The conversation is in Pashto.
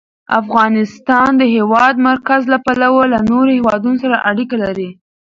افغانستان د د هېواد مرکز له پلوه له نورو هېوادونو سره اړیکې لري.